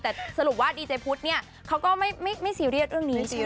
แต่สรุปว่าดีเจพุทธเนี่ยเขาก็ไม่ซีเรียสเรื่องนี้จริง